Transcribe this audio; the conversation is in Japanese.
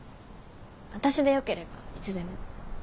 私でよければいつでも。